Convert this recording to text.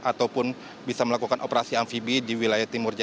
ataupun bisa melakukan operasi amfibi di wilayah timur